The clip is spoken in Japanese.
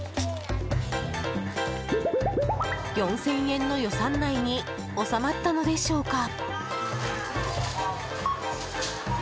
４０００円の予算内に収まったのでしょうか？